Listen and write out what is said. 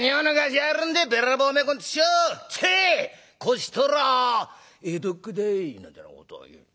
こちとら江戸っ子だい」なんてなことを言う。